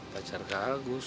pacar kak agus